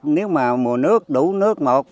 nếu mà mùa nước đủ nước một